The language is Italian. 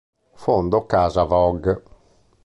Fondo Casa Vogue.